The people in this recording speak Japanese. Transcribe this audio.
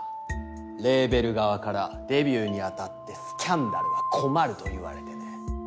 レーベル側からデビューに当たってスキャンダルは困ると言われてね。